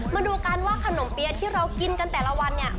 มาดูกันว่าขนมเปี๊ยที่เรากินกันแต่ละวันเนี่ย